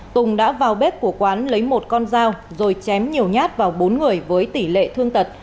tùng đã vào bếp của quán lấy một con dao rồi chém nhiều nhát vào bốn người với tỷ lệ thương tật